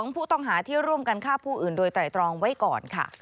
ผู้ต้องหาที่ร่วมกันฆ่าผู้อื่นโดยไตรตรองไว้ก่อนค่ะ